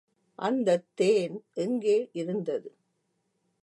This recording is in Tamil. அந்தத் தேன் எங்கே இருந்தது?